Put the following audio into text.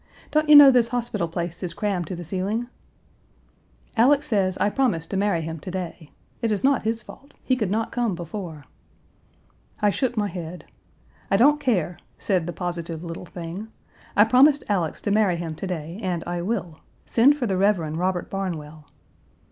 Don't you know this hospital place is crammed to the ceiling?' 'Alex says I promised to marry him to day. It is not his fault; he could not come before.' I shook my head. 'I don't care,' said the positive little thing, 'I promised Alex to marry him to day and I will. Send for the Rev. Robert Barnwell.'